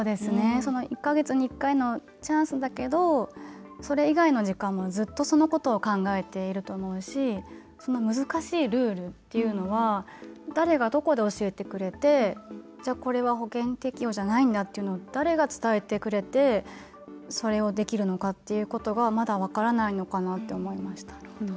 １か月に１回のチャンスだけどそれ以外の時間もずっとそのことを考えていると思うし難しいルールというのは誰がどこで教えてくれて、これは保険適用じゃないんだっていうのは誰が伝えてくれてそれをできるのかっていうことがまだ、分からないのかなって思いました。